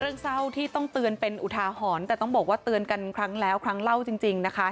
เรื่องเศร้าที่ต้องเตือนเป็นอุทาหรณ์แต่ต้องบอกว่าเตือนกันครั้งแล้วครั้งเล่าจริงนะคะ